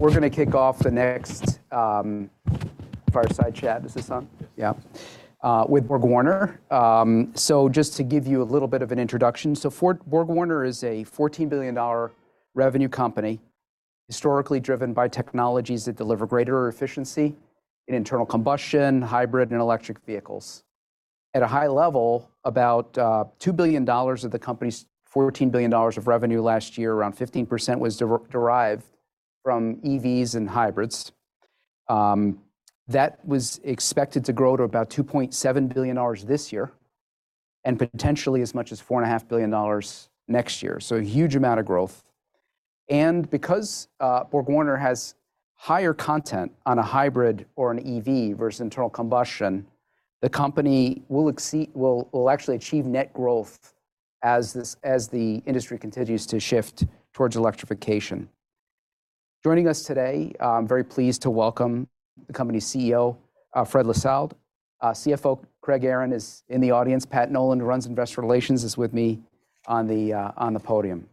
We're going to kick off the next fireside chat. Is this on? Yes. Yeah, with BorgWarner. So just to give you a little bit of an introduction, so for BorgWarner is a $14 billion revenue company, historically driven by technologies that deliver greater efficiency in internal combustion, hybrid, and electric vehicles. At a high level, about $2 billion of the company's $14 billion of revenue last year, around 15%, was derived from EVs and hybrids. That was expected to grow to about $2.7 billion this year and potentially as much as $4.5 billion next year. So a huge amount of growth. And because BorgWarner has higher content on a hybrid or an EV versus internal combustion, the company will exceed, will actually achieve net growth as the industry continues to shift towards electrification. Joining us today, I'm very pleased to welcome the company's CEO, Fred Lissalde. CFO Craig Aaron is in the audience. Pat Nolan, who runs Investor Relations, is with me on the podium.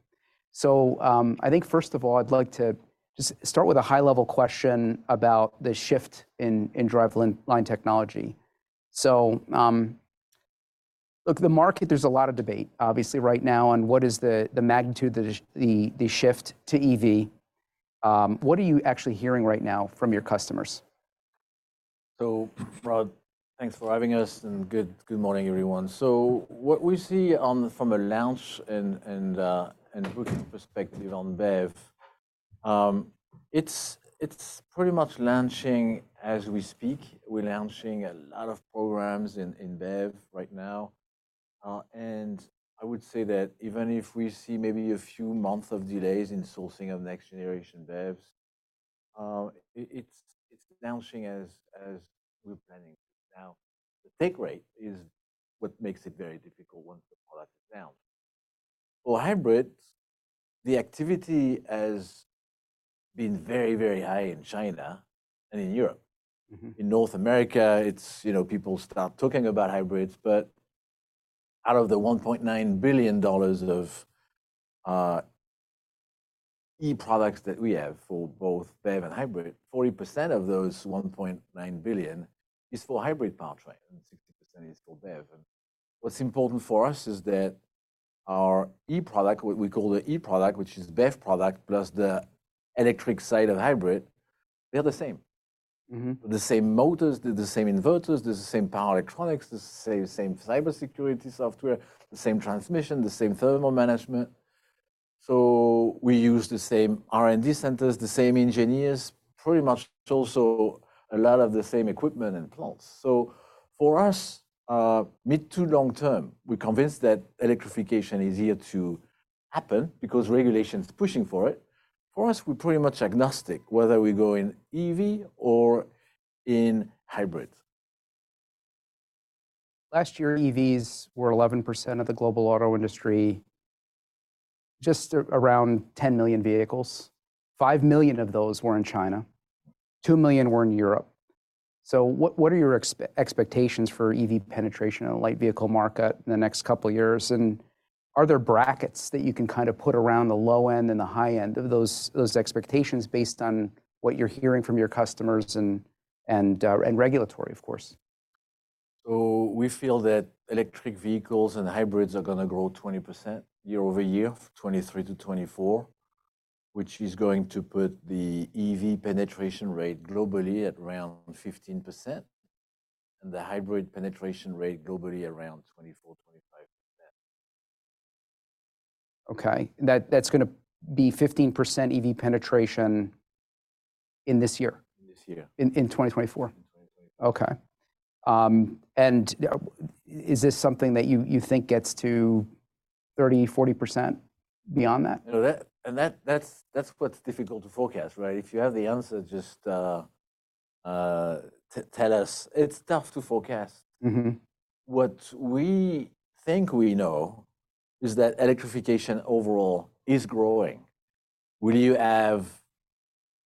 So, I think first of all, I'd like to just start with a high-level question about the shift in drive line technology. So, look, the market, there's a lot of debate, obviously, right now on what is the magnitude of the shift to EV. What are you actually hearing right now from your customers? So, Rod, thanks for having us. And good morning, everyone. So what we see from a launch and booking perspective on BEV, it's pretty much launching as we speak. We're launching a lot of programs in BEV right now. And I would say that even if we see maybe a few months of delays in sourcing of next-generation BEVs, it's launching as we're planning to. Now, the take rate is what makes it very difficult once the product is launched. For hybrids, the activity has been very high in China and in Europe. In North America, it's, you know, people start talking about hybrids. But out of the $1.9 billion of eProducts that we have for both BEV and hybrid, 40% of those $1.9 billion is for hybrid powertrain and 60% is for BEV. What's important for us is that our eProduct, what we call the eProduct, which is BEV product plus the electric side of hybrid, they're the same. The same motors, the same inverters, the same power electronics, the same, same cybersecurity software, the same transmission, the same thermal management. So we use the same R&D centers, the same engineers, pretty much also a lot of the same equipment and plants. So for us, mid- to long-term, we're convinced that electrification is here to happen because regulation's pushing for it. For us, we're pretty much agnostic whether we go in EV or in hybrid. Last year, EVs were 11% of the global auto industry, just around 10 million vehicles. 5 million of those were in China. 2 million were in Europe. So what, what are your expectations for EV penetration in the light vehicle market in the next couple of years? And are there brackets that you can kind of put around the low end and the high end of those, those expectations based on what you're hearing from your customers and, and, and regulatory, of course? We feel that electric vehicles and hybrids are going to grow 20% year-over-year, 2023 to 2024, which is going to put the EV penetration rate globally at around 15% and the hybrid penetration rate globally around 24%-25%. Okay. And that, that's going to be 15% EV penetration in this year. In this year. In 2024. In 2024. Okay. Is this something that you think gets to 30%-40% beyond that? You know, that's what's difficult to forecast, right? If you have the answer, just tell us. It's tough to forecast. What we think we know is that electrification overall is growing. Will you have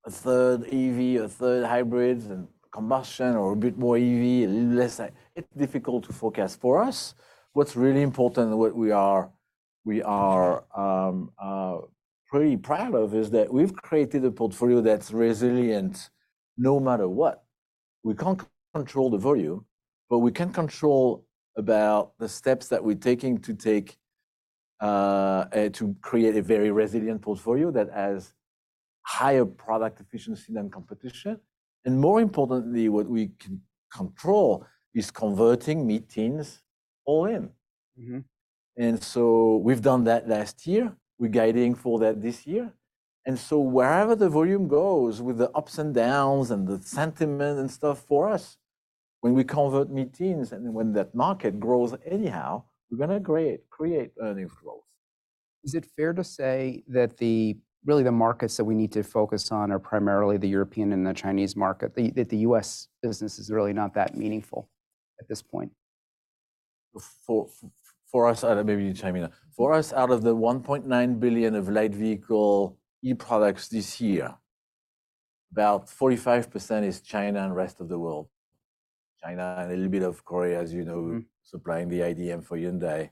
a third EV, a third hybrids and combustion or a bit more EV, a little less? It's difficult to forecast for us. What's really important and what we are pretty proud of is that we've created a portfolio that's resilient no matter what. We can't control the volume, but we can control the steps that we're taking to create a very resilient portfolio that has higher product efficiency than competition. And more importantly, what we can control is converting meetings all in. And so we've done that last year. We're guiding for that this year. So wherever the volume goes with the ups and downs and the sentiment and stuff for us, when we convert margins and when that market grows anyhow, we're going to create, create earnings growth. Is it fair to say that, really, the markets that we need to focus on are primarily the European and the Chinese market, that the U.S. business is really not that meaningful at this point? For us, maybe you need to chime in. For us, out of the $1.9 billion of light vehicle eProducts this year, about 45% is China and the rest of the world. China and a little bit of Korea, as you know, supplying the iDM for Hyundai.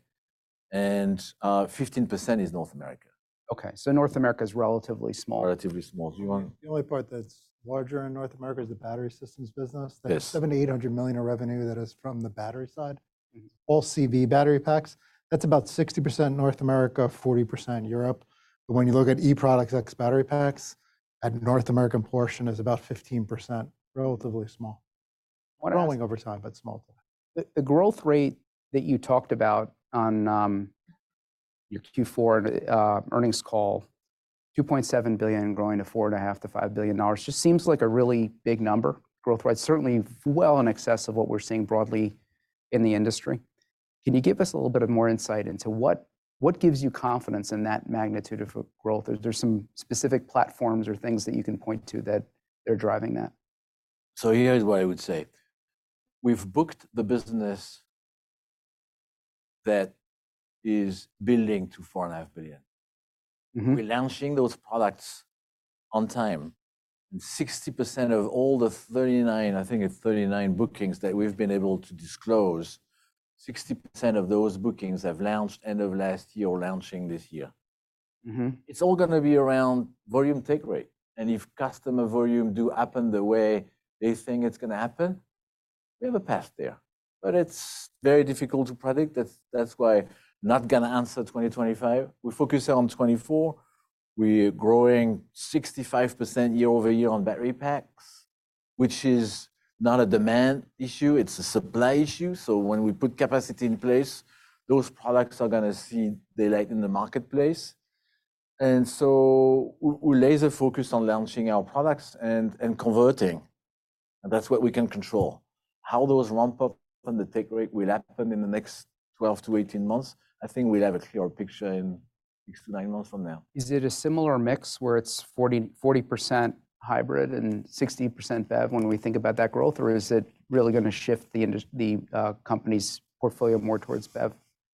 15% is North America. Okay. So North America is relatively small. Relatively small. Do you want? The only part that's larger in North America is the battery systems business. That's $700 million-$800 million of revenue that is from the battery side, all CV battery packs. That's about 60% North America, 40% Europe. But when you look at eProducts ex battery packs, that North American portion is about 15%, relatively small, growing over time, but small. The growth rate that you talked about on your Q4 earnings call, $2.7 billion growing to $4.5-$5 billion, just seems like a really big number. Growth rate certainly well in excess of what we're seeing broadly in the industry. Can you give us a little bit of more insight into what gives you confidence in that magnitude of growth? Is there some specific platforms or things that you can point to that they're driving that? So here's what I would say. We've booked the business that is building to $4.5 billion. We're launching those products on time. 60% of all the 39, I think it's 39 bookings that we've been able to disclose, 60% of those bookings have launched end of last year or launching this year. It's all going to be around volume take rate. If customer volume do happen the way they think it's going to happen, we have a path there. But it's very difficult to predict. That's why not going to answer 2025. We focus on 2024. We're growing 65% year-over-year on battery packs, which is not a demand issue. It's a supply issue. So when we put capacity in place, those products are going to see daylight in the marketplace. We laser focus on launching our products and converting. That's what we can control. How those ramp up and the take rate will happen in the next 12-18 months, I think we'll have a clearer picture in 6-9 months from now. Is it a similar mix where it's 40% hybrid and 60% BEV when we think about that growth, or is it really going to shift the company's portfolio more towards BEV?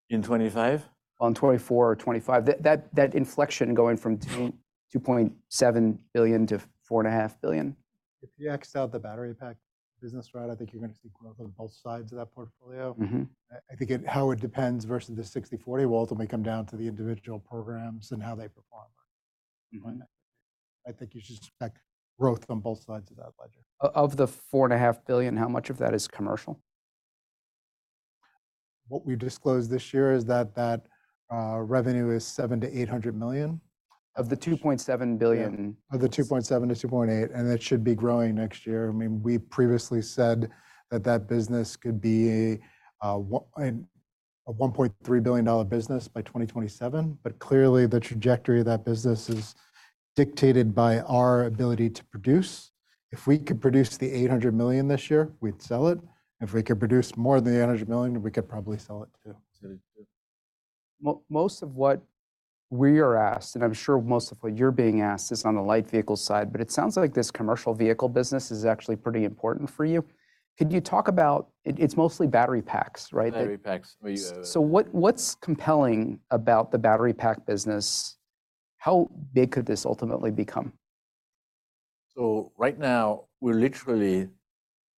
In 25? Well, in 2024 or 2025, that inflection going from $2.7 billion to $4.5 billion. If you x out the battery pack business route, I think you're going to see growth on both sides of that portfolio. I think how it depends versus the 60/40 will ultimately come down to the individual programs and how they perform. I think you should expect growth on both sides of that ledger. Of the $4.5 billion, how much of that is commercial? What we disclosed this year is that revenue is $700 million-$800 million. Of the $2.7 billion. Of the $2.7-$2.8. It should be growing next year. I mean, we previously said that that business could be a $1.3 billion business by 2027. But clearly, the trajectory of that business is dictated by our ability to produce. If we could produce the $800 million this year, we'd sell it. If we could produce more than the $800 million, we could probably sell it too. Most of what we are asked, and I'm sure most of what you're being asked is on the light vehicle side, but it sounds like this commercial vehicle business is actually pretty important for you. Could you talk about it? It's mostly battery packs, right? Battery packs. What, what's compelling about the battery pack business? How big could this ultimately become? So right now, we're literally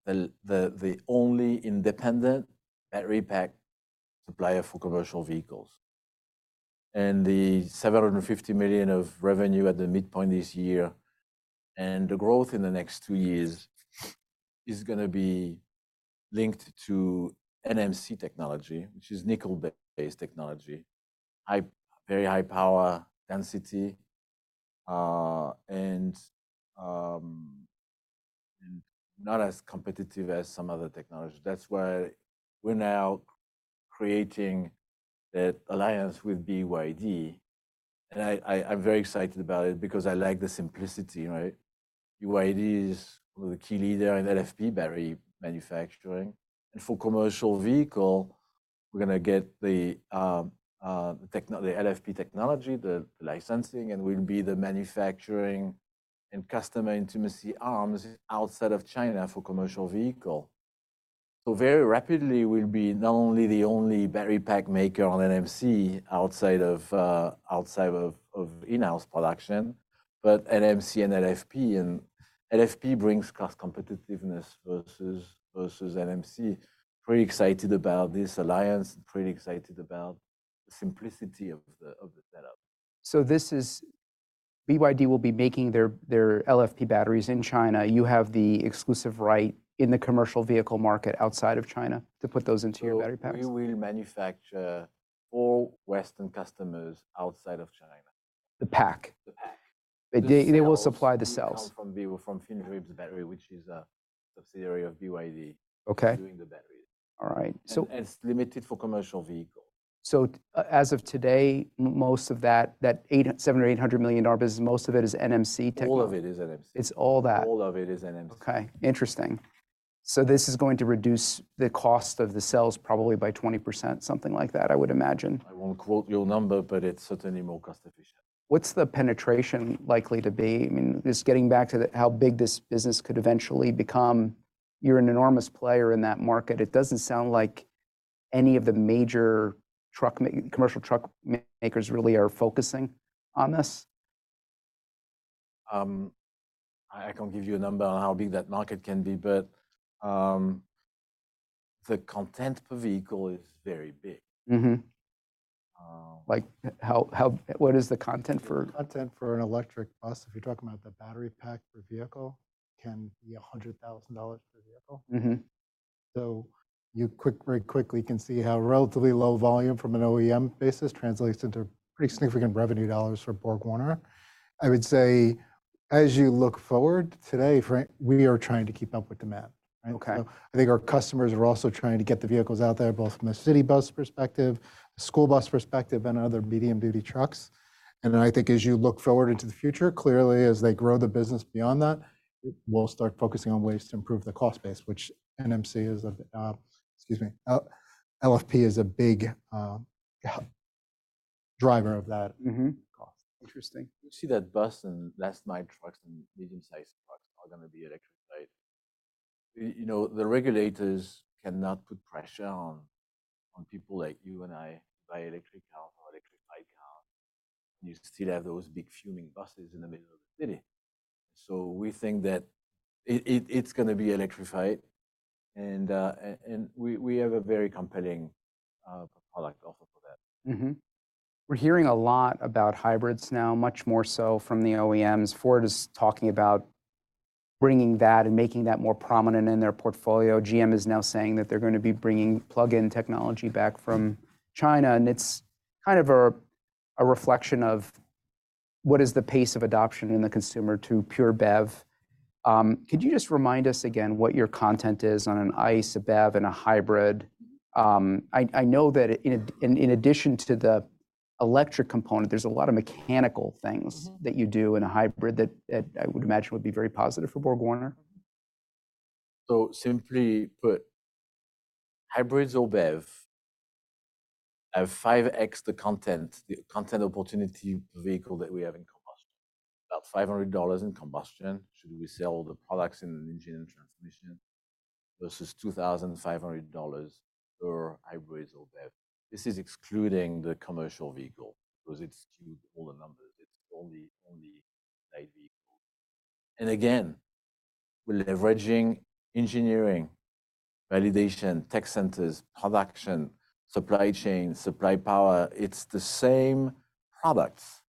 the only independent battery pack supplier for commercial vehicles. And the $750 million of revenue at the midpoint this year and the growth in the next two years is going to be linked to NMC technology, which is nickel-based technology, very high power density, and not as competitive as some other technology. That's why we're now creating that alliance with BYD. And I'm very excited about it because I like the simplicity, right? BYD is one of the key leaders in LFP battery manufacturing. And for commercial vehicle, we're going to get the LFP technology, the licensing, and we'll be the manufacturing and customer intimacy arms outside of China for commercial vehicle. So very rapidly, we'll be not only the only battery pack maker on NMC outside of in-house production, but NMC and LFP. LFP brings cost competitiveness versus NMC. Pretty excited about this alliance, pretty excited about the simplicity of the setup. So this is BYD will be making their, their LFP batteries in China. You have the exclusive right in the commercial vehicle market outside of China to put those into your battery packs. We will manufacture for Western customers outside of China. The pack. The pack. They will supply the cells. From FinDreams Battery, which is a subsidiary of BYD. Okay. Doing the batteries. All right. So. It's limited for commercial vehicles. As of today, most of that $700 or $800 million business, most of it is NMC technology. All of it is NMC. It's all that. All of it is NMC. Okay. Interesting. So this is going to reduce the cost of the cells probably by 20%, something like that, I would imagine. I won't quote your number, but it's certainly more cost efficient. What's the penetration likely to be? I mean, just getting back to how big this business could eventually become. You're an enormous player in that market. It doesn't sound like any of the major truck commercial truck makers really are focusing on this. I can't give you a number on how big that market can be, but the content per vehicle is very big. Like, how? What is the content for? Content for an electric bus, if you're talking about the battery pack per vehicle, can be $100,000 per vehicle. So you quickly, very quickly can see how relatively low volume from an OEM basis translates into pretty significant revenue dollars for BorgWarner. I would say as you look forward today, we are trying to keep up with demand. So I think our customers are also trying to get the vehicles out there, both from a city bus perspective, a school bus perspective, and other medium duty trucks. And then I think as you look forward into the future, clearly as they grow the business beyond that, we'll start focusing on ways to improve the cost base, which NMC is a, excuse me, LFP is a big driver of that cost. Interesting. You see that buses and light trucks and medium-sized trucks are going to be electrified. You know, the regulators cannot put pressure on people like you and I buy electric cars or electrified cars. You still have those big fuming buses in the middle of the city. So we think that it's going to be electrified. We have a very compelling product offer for that. We're hearing a lot about hybrids now, much more so from the OEMs. Ford is talking about bringing that and making that more prominent in their portfolio. GM is now saying that they're going to be bringing plug-in technology back from China. And it's kind of a reflection of what is the pace of adoption in the consumer to pure BEV. Could you just remind us again what your content is on an ICE, a BEV, and a hybrid? I know that in addition to the electric component, there's a lot of mechanical things that you do in a hybrid that I would imagine would be very positive for BorgWarner. So simply put, hybrids or BEV have 5x the content, the content opportunity per vehicle that we have in combustion. About $500 in combustion. Should we sell all the products in engine and transmission versus $2,500 per hybrid or BEV? This is excluding the commercial vehicle because it's skewed all the numbers. It's only, only light vehicles. And again, we're leveraging engineering, validation, tech centers, production, supply chain, supply power. It's the same products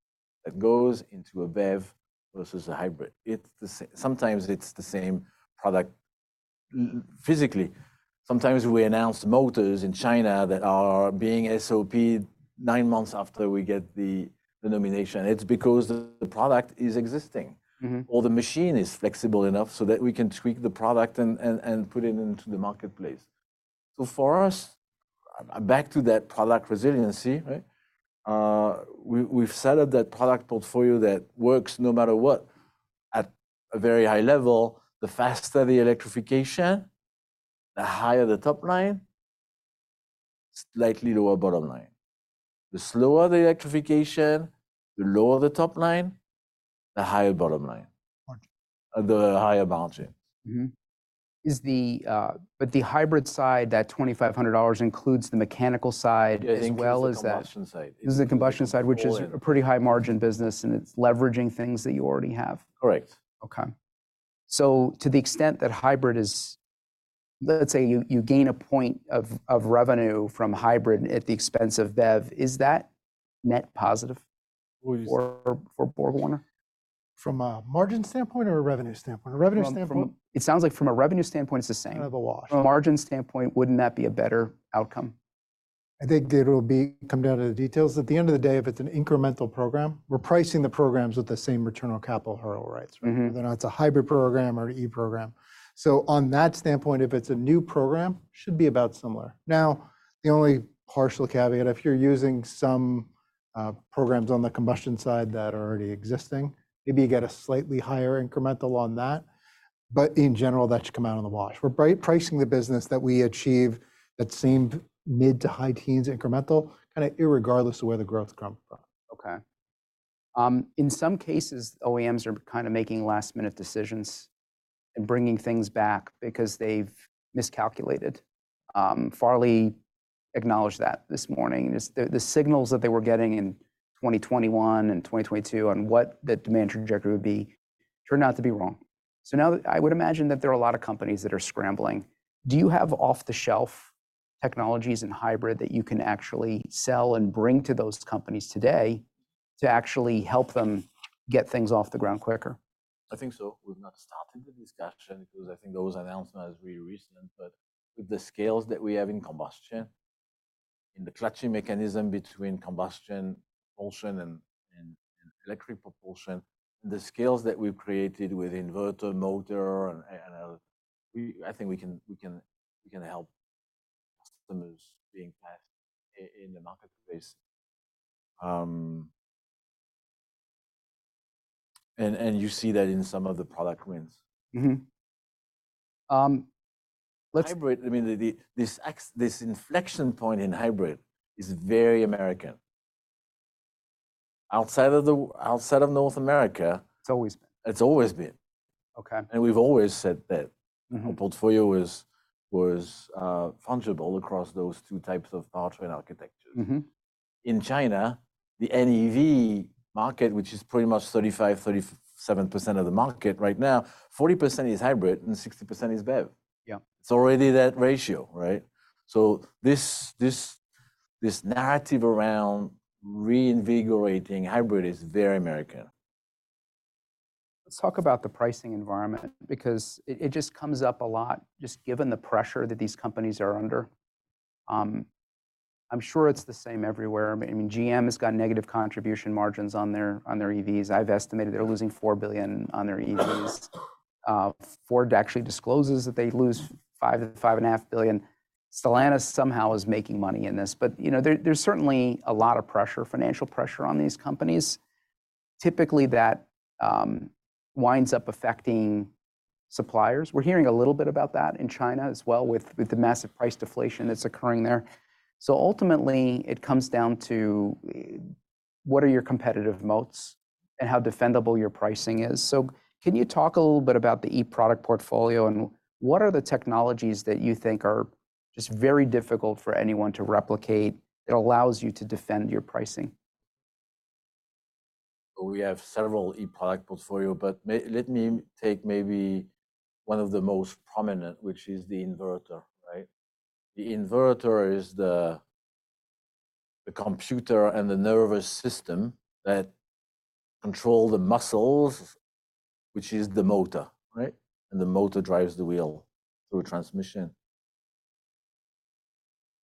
that go into a BEV versus a hybrid. It's the same. Sometimes it's the same product physically. Sometimes we announce motors in China that are being SOP nine months after we get the nomination. It's because the product is existing or the machine is flexible enough so that we can tweak the product and put it into the marketplace. So for us, back to that product resiliency, we've set up that product portfolio that works no matter what. At a very high level, the faster the electrification, the higher the top line, slightly lower bottom line. The slower the electrification, the lower the top line, the higher bottom line, the higher margins. But the hybrid side, that $2,500 includes the mechanical side as well as that. This is the combustion side. This is the combustion side, which is a pretty high margin business, and it's leveraging things that you already have. Correct. Okay. So to the extent that hybrid is, let's say you gain a point of revenue from hybrid at the expense of BEV, is that net positive for BorgWarner? From a margin standpoint or a revenue standpoint? A revenue standpoint. It sounds like from a revenue standpoint, it's the same. Kind of a wash. From a margin standpoint, wouldn't that be a better outcome? I think it will become down to the details. At the end of the day, if it's an incremental program, we're pricing the programs with the same return on capital hurdle rates, whether or not it's a hybrid program or an E program. So on that standpoint, if it's a new program, should be about similar. Now, the only partial caveat, if you're using some programs on the combustion side that are already existing, maybe you get a slightly higher incremental on that. But in general, that should come out in the wash. We're pricing the business that we achieve that seem mid to high teens incremental, kind of irregardless of where the growth comes from. Okay. In some cases, OEMs are kind of making last minute decisions and bringing things back because they've miscalculated. Farley acknowledged that this morning. The signals that they were getting in 2021 and 2022 on what the demand trajectory would be turned out to be wrong. So now I would imagine that there are a lot of companies that are scrambling. Do you have off the shelf technologies and hybrid that you can actually sell and bring to those companies today to actually help them get things off the ground quicker? I think so. We've not started the discussion because I think those announcements are very recent. But with the scales that we have in combustion, in the clutching mechanism between combustion propulsion and electric propulsion, and the scales that we've created with inverter motor and I think we can help customers being passed in the marketplace. And you see that in some of the product wins. Hybrid, I mean, this inflection point in hybrid is very American. Outside of North America. It's always been. It's always been okay. And we've always said that our portfolio was fungible across those two types of powertrain architectures. In China, the NEV market, which is pretty much 35%-37% of the market right now, 40% is hybrid and 60% is BEV. Yeah, it's already that ratio, right? So this, this, this narrative around reinvigorating hybrid is very American. Let's talk about the pricing environment because it just comes up a lot just given the pressure that these companies are under. I'm sure it's the same everywhere. I mean, GM has got negative contribution margins on their EVs. I've estimated they're losing $4 billion on their EVs. Ford actually discloses that they lose $5-$5.5 billion. Stellantis somehow is making money in this. But, you know, there's certainly a lot of pressure, financial pressure on these companies. Typically, that winds up affecting suppliers. We're hearing a little bit about that in China as well with the massive price deflation that's occurring there. So ultimately, it comes down to what are your competitive moats and how defendable your pricing is. So can you talk a little bit about the eProduct portfolio and what are the technologies that you think are just very difficult for anyone to replicate that allows you to defend your pricing? We have several eProduct portfolio, but let me take maybe one of the most prominent, which is the inverter, right? The inverter is the computer and the nervous system that control the muscles, which is the motor, right? And the motor drives the wheel through transmission.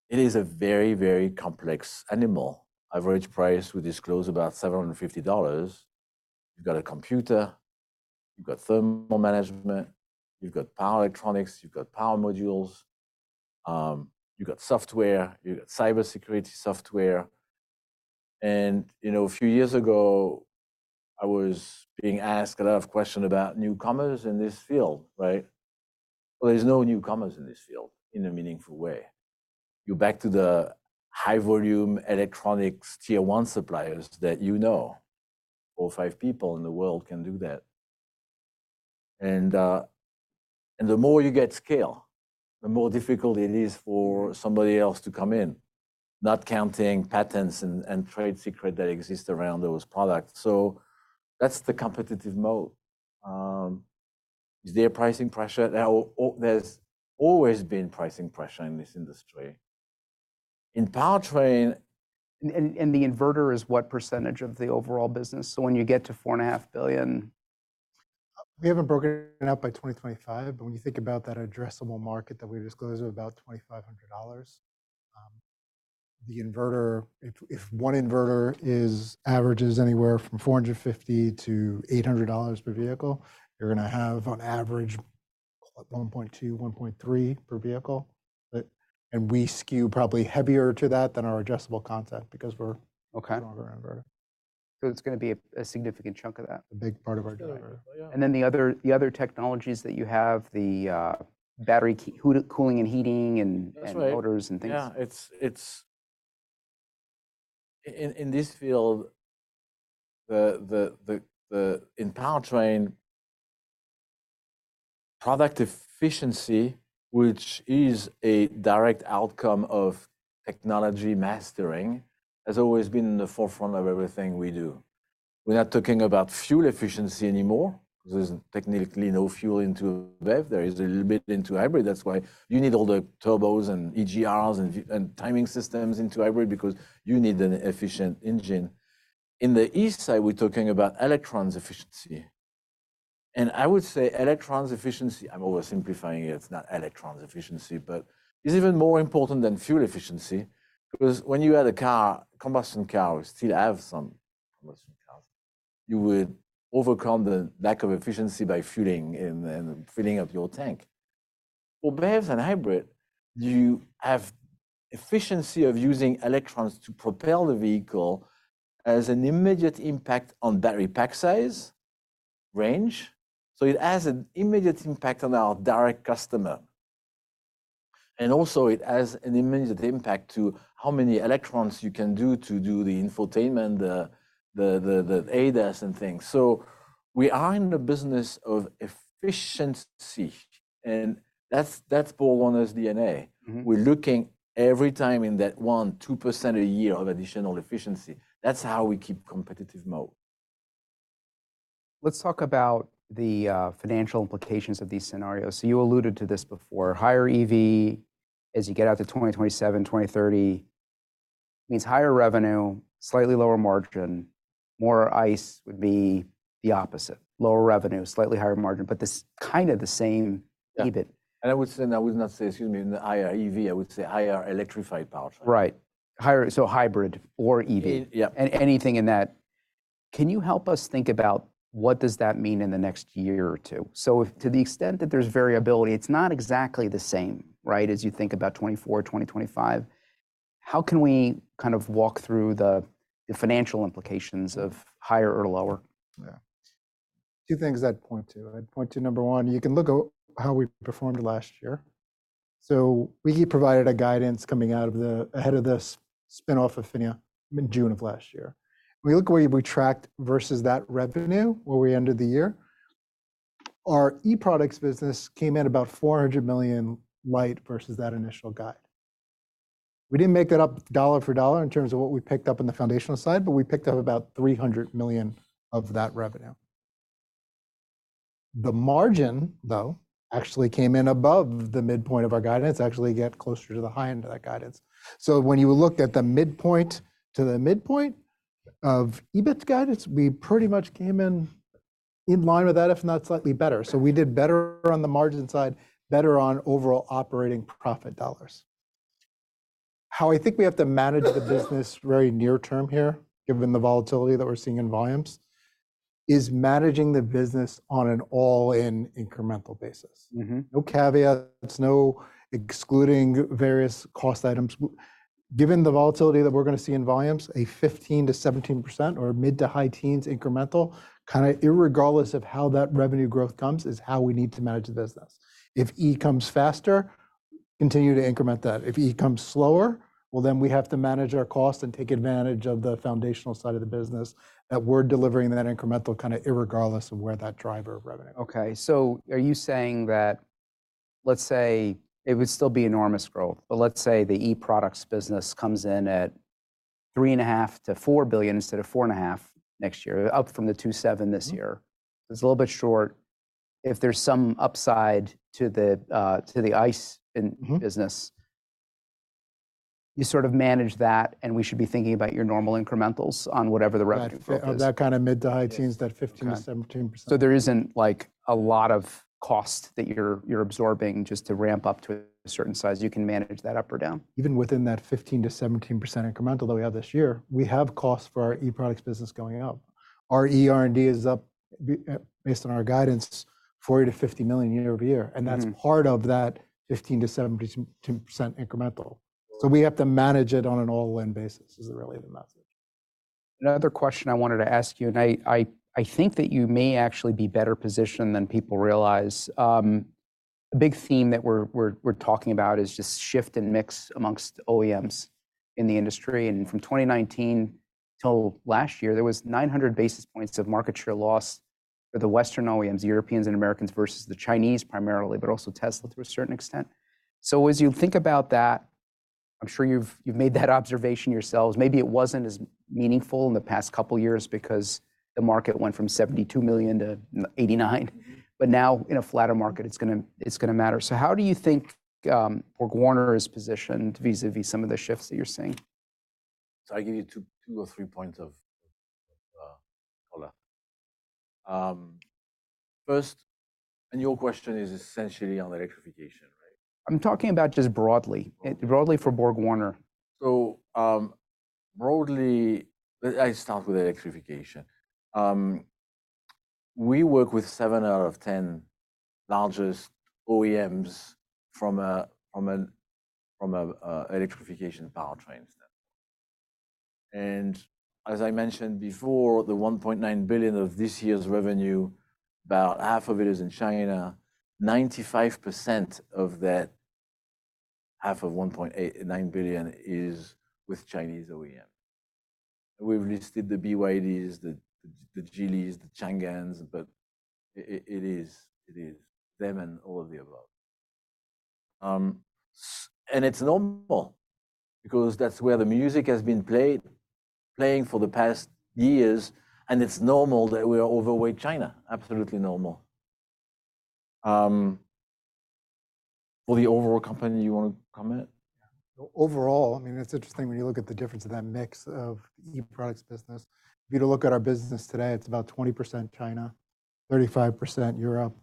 It is a very, very complex animal. Average price we disclose about $750. You've got a computer, you've got thermal management, you've got power electronics, you've got power modules, you've got software, you've got cybersecurity software. And, you know, a few years ago, I was being asked a lot of questions about newcomers in this field, right? Well, there's no newcomers in this field in a meaningful way. You're back to the high volume electronics tier one suppliers that you know. Four or five people in the world can do that. The more you get scale, the more difficult it is for somebody else to come in, not counting patents and trade secrets that exist around those products. That's the competitive moat. Is there pricing pressure? There's always been pricing pressure in this industry. In powertrain. The inverter is what percentage of the overall business? When you get to $4.5 billion. We haven't broken it out by 2025, but when you think about that addressable market that we disclose of about $2,500, the inverter, if one inverter averages anywhere from $450-$800 per vehicle, you're going to have on average 1.2-1.3 per vehicle. And we skew probably heavier to that than our addressable concept because we're a stronger inverter. It's going to be a significant chunk of that. A big part of our driver. And then the other technologies that you have, the battery cooling and heating and motors and things. Yeah, it's in this field, in powertrain, product efficiency, which is a direct outcome of technology mastering, has always been in the forefront of everything we do. We're not talking about fuel efficiency anymore because there's technically no fuel into BEV. There is a little bit into hybrid. That's why you need all the turbos and EGRs and timing systems into hybrid because you need an efficient engine. On the E side, we're talking about electrons efficiency. And I would say electrons efficiency, I'm oversimplifying it. It's not electrons efficiency, but it's even more important than fuel efficiency. Because when you had a car, combustion car, we still have some combustion cars, you would overcome the lack of efficiency by fueling and filling up your tank. For BEVs and hybrid, you have efficiency of using electrons to propel the vehicle as an immediate impact on battery pack size, range. So it has an immediate impact on our direct customer. And also it has an immediate impact to how many electrons you can do to do the infotainment, the ADAS and things. So we are in a business of efficiency, and that's BorgWarner's DNA. We're looking every time in that 1%-2% a year of additional efficiency. That's how we keep competitive mode. Let's talk about the financial implications of these scenarios. So you alluded to this before. Higher EV as you get out to 2027, 2030 means higher revenue, slightly lower margin. More ICE would be the opposite, lower revenue, slightly higher margin, but this kind of the same EBIT. And I would say, and I would not say. Excuse me, in the higher EV, I would say higher electrified powertrain. Right. So hybrid or EV and anything in that. Can you help us think about what does that mean in the next year or two? So to the extent that there's variability, it's not exactly the same, right, as you think about 2024, 2025. How can we kind of walk through the financial implications of higher or lower? Yeah, two things I'd point to. I'd point to number one, you can look at how we performed last year. So we provided a guidance coming out of the ahead of this spin-off of PHINIA in June of last year. When you look at where we tracked versus that revenue, where we ended the year, our eProducts business came in about $400 million light versus that initial guide. We didn't make that up dollar for dollar in terms of what we picked up on the foundational side, but we picked up about $300 million of that revenue. The margin, though, actually came in above the midpoint of our guidance, actually get closer to the high end of that guidance. So when you look at the midpoint to the midpoint of EBIT guidance, we pretty much came in line with that, if not slightly better. So we did better on the margin side, better on overall operating profit dollars. How I think we have to manage the business very near term here, given the volatility that we're seeing in volumes, is managing the business on an all-in incremental basis. No caveats, no excluding various cost items. Given the volatility that we're going to see in volumes, a 15%-17% or mid- to high-teens incremental, kind of irregardless of how that revenue growth comes, is how we need to manage the business. If E comes faster, continue to increment that. If E comes slower, well, then we have to manage our costs and take advantage of the foundational side of the business that we're delivering that incremental kind of irregardless of where that driver of revenue. Okay. So are you saying that, let's say it would still be enormous growth, but let's say the eProducts business comes in at $3.5-$4 billion instead of $4.5 billion next year, up from the $2.7 billion this year. It's a little bit short. If there's some upside to the ICE business, you sort of manage that and we should be thinking about your normal incrementals on whatever the revenue growth is. That kind of mid to high teens, that 15%-17%. There isn't like a lot of cost that you're absorbing just to ramp up to a certain size. You can manage that up or down. Even within that 15%-17% incremental that we have this year, we have costs for our eProducts business going up. Our ER&D is up based on our guidance, $40-$50 million year-over-year. And that's part of that 15%-17% incremental. So we have to manage it on an all-in basis is really the message. Another question I wanted to ask you, and I think that you may actually be better positioned than people realize. A big theme that we're talking about is just shift and mix amongst OEMs in the industry. And from 2019 till last year, there was 900 basis points of market share loss for the Western OEMs, Europeans and Americans versus the Chinese primarily, but also Tesla to a certain extent. So as you think about that, I'm sure you've made that observation yourselves. Maybe it wasn't as meaningful in the past couple of years because the market went from $72 million to $89, but now in a flatter market, it's going to matter. So how do you think BorgWarner is positioned vis-à-vis some of the shifts that you're seeing? I give you two or three points of color. First, and your question is essentially on electrification, right? I'm talking about just broadly, broadly for BorgWarner. So broadly, I start with electrification. We work with 7 out of 10 largest OEMs from an electrification powertrain standpoint. And as I mentioned before, the $1.9 billion of this year's revenue, about half of it is in China. 95% of that half of $1.9 billion is with Chinese OEM. We've listed the BYDs, the Geelys, the Changans, but it is them and all of the above. And it's normal because that's where the music has been played, playing for the past years. And it's normal that we are overweight China. Absolutely normal. For the overall company, you want to comment? Overall, I mean, it's interesting when you look at the difference of that mix of the eProducts business. If you were to look at our business today, it's about 20% China, 35% Europe,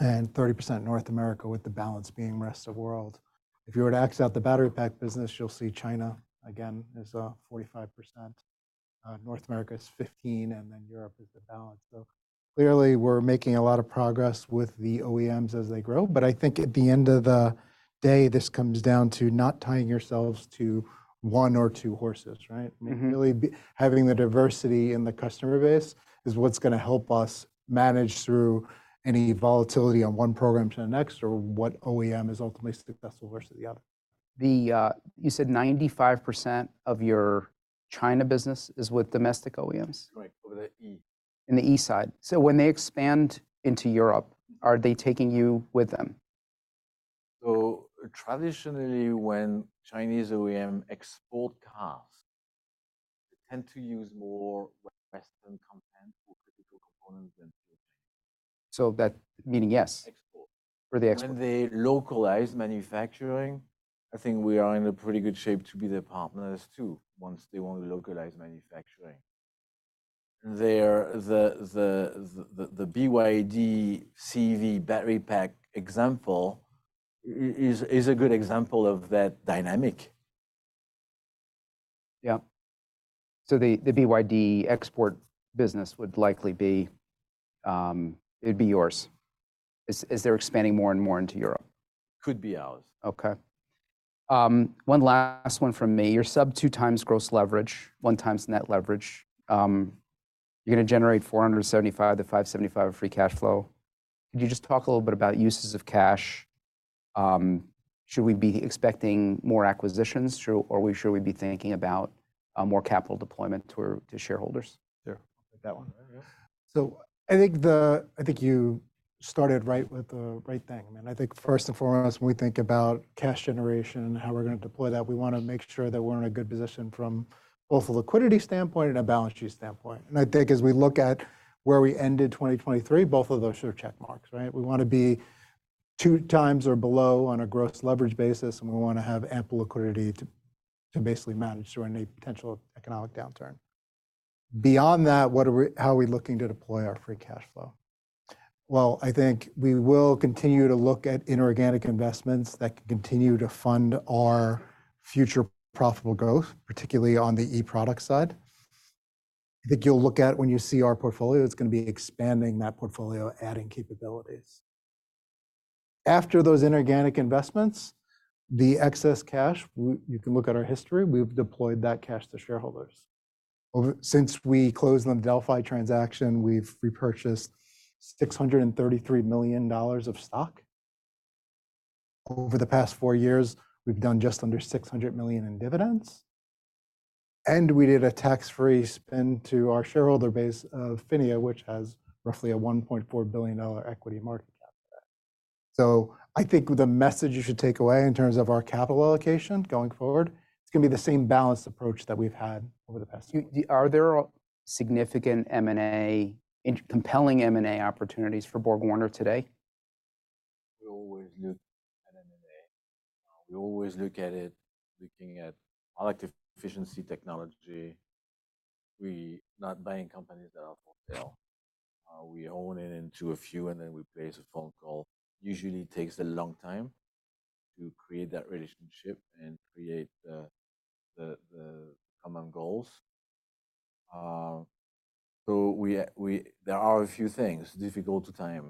and 30% North America, with the balance being rest of world. If you were to exit out the battery pack business, you'll see China again is 45%, North America is 15%, and then Europe is the balance. So clearly we're making a lot of progress with the OEMs as they grow. But I think at the end of the day, this comes down to not tying yourselves to one or two horses, right? Really having the diversity in the customer base is what's going to help us manage through any volatility on one program to the next or what OEM is ultimately successful versus the other. You said 95% of your China business is with domestic OEMs. Right, over the E. In the E side. So when they expand into Europe, are they taking you with them? Traditionally, when Chinese OEM export cars, they tend to use more Western content for critical components than pure Chinese. So, that meaning yes? Export. For the export. When they localize manufacturing, I think we are in a pretty good shape to be their partners too, once they want to localize manufacturing. The BYD CV battery pack example is a good example of that dynamic. Yeah. So the BYD export business would likely be, it'd be yours. Is there expanding more and more into Europe? Could be ours. Okay. One last one from me. You're sub 2x gross leverage, 1x net leverage. You're going to generate $475-$575 of free cash flow. Could you just talk a little bit about uses of cash? Should we be expecting more acquisitions or should we be thinking about more capital deployment to shareholders? Sure. I'll take that one. So I think you started right with the right thing. I mean, I think first and foremost, when we think about cash generation, how we're going to deploy that, we want to make sure that we're in a good position from both a liquidity standpoint and a balance sheet standpoint. And I think as we look at where we ended 2023, both of those are checkmarks, right? We want to be two times or below on a gross leverage basis, and we want to have ample liquidity to basically manage through any potential economic downturn. Beyond that, how are we looking to deploy our free cash flow? Well, I think we will continue to look at inorganic investments that can continue to fund our future profitable growth, particularly on the eProduct side. I think you'll look at when you see our portfolio, it's going to be expanding that portfolio, adding capabilities. After those inorganic investments, the excess cash, you can look at our history, we've deployed that cash to shareholders. Since we closed on the Delphi transaction, we've repurchased $633 million of stock. Over the past four years, we've done just under $600 million in dividends. And we did a tax-free spin to our shareholder base of PHINIA, which has roughly a $1.4 billion equity market cap today. So I think the message you should take away in terms of our capital allocation going forward, it's going to be the same balanced approach that we've had over the past year. Are there significant M&A, compelling M&A opportunities for BorgWarner today? We always look at M&A. We always look at it, looking at electric efficiency technology. We're not buying companies that are for sale. We hone in on a few and then we place a phone call. Usually takes a long time to create that relationship and create the common goals. So there are a few things, difficult to time.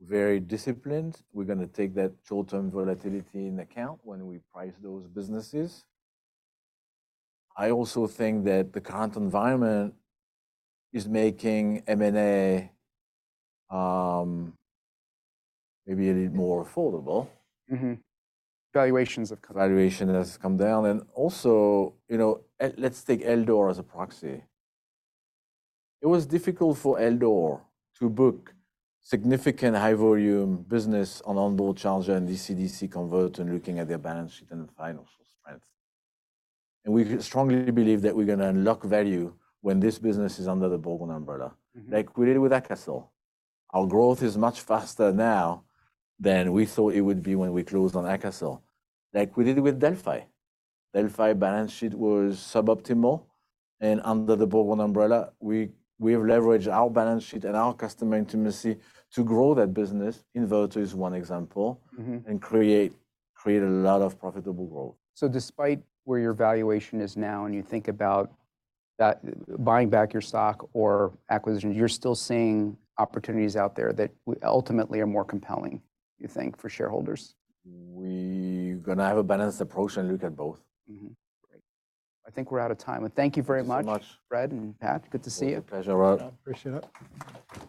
Very disciplined. We're going to take that short-term volatility into account when we price those businesses. I also think that the current environment is making M&A maybe a little more affordable. Valuations have come down. Valuation has come down. Also, you know, let's take Eldor as a proxy. It was difficult for Eldor to book significant high volume business on onboard charger and DC-DC converter, and looking at their balance sheet and financial strength. We strongly believe that we're going to unlock value when this business is under the BorgWarner umbrella. Like we did with AKASOL. Our growth is much faster now than we thought it would be when we closed on AKASOL. Like we did with Delphi. Delphi balance sheet was suboptimal. Under the BorgWarner umbrella, we have leveraged our balance sheet and our customer intimacy to grow that business. Inverter is one example and create a lot of profitable growth. Despite where your valuation is now and you think about buying back your stock or acquisitions, you're still seeing opportunities out there that ultimately are more compelling, you think, for shareholders? We're going to have a balanced approach and look at both. Great. I think we're out of time. Thank you very much, Fred and Pat. Good to see you. Pleasure, Rod. Appreciate it.